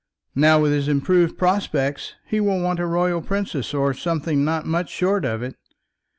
Now, with his improved prospects, he will want a royal princess or something not much short of it.